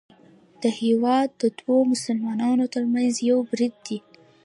دا هیواد د دوو مسلمانانو ترمنځ یو برید دی